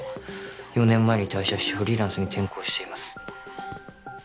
４年前に退社してフリーランスに転向しています